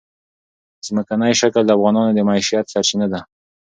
ځمکنی شکل د افغانانو د معیشت سرچینه ده.